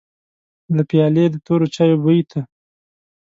له پيالې د تورو چايو بوی ته.